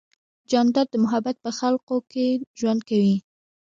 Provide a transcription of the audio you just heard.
جانداد د محبت په خلقو کې ژوند کوي.